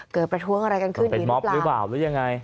ประท้วงอะไรกันขึ้นเป็นม็อบหรือเปล่าหรือยังไง